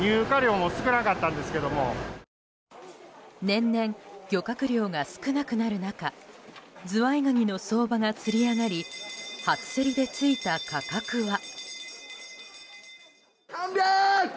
年々、漁獲量が少なくなる中ズワイガニの相場がつり上がり初競りでついた価格は。